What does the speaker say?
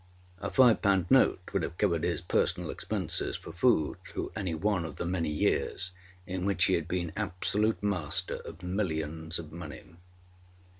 A five pound note would have covered his personal expenses for food through any one of the many years in which he had been absolute master of millions of money.